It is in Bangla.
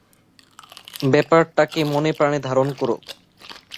ব্যাপারটাকে মনে-প্রাণে ধারণ করো।